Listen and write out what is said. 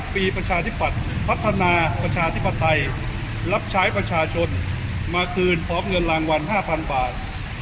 ปีประชาธิปัตย์พัฒนาประชาธิปไตยรับใช้ประชาชนมาคืนพร้อมเงินรางวัล๕๐๐๐บาท